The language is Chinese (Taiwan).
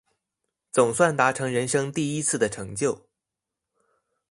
總算達成人生第一次的成就